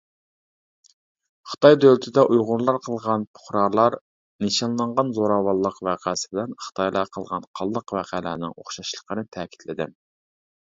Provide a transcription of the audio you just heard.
خىتاي دۆلىتىدە ئۇيغۇرلار قىلغان پۇقرالار نىشانلانغان زوراۋانلىق ۋەقەسى بىلەن خىتايلار قىلغان قانلىق ۋەقەلەرنىڭ ئوخشاشلىقىنى تەكىتلىدىم.